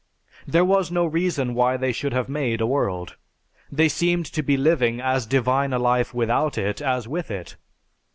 There was no reason why they should have made a world. They seemed to be living as divine a life without it as with it.